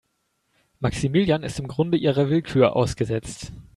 Maximilian ist im Grunde ihrer Willkür ausgesetzt.